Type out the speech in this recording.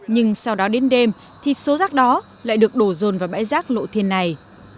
nhưng sau đó đến đêm thì số rác đó lại được đổ rồn vào bãi rác lộ thiên này